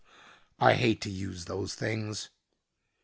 "I hate to use those things."